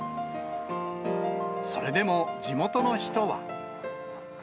それでも地元の人は。